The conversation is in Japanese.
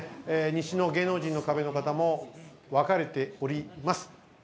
西の芸能人の壁の方も分かれております。